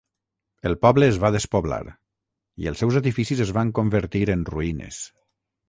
El poble es va despoblar, i els seus edificis es van convertir en ruïnes.